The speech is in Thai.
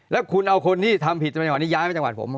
แล้วคุณเอาคนที่ทำผิดจังหวัดนี้ย้ายไปจังหวัดผม